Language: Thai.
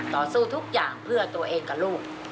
ต่อสู้ทุกอย่างเพื่อตัวเองกับลูก